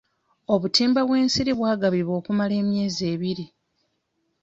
Obutimba bw'ensiri bwagabibwa okumala emyezi ebiri.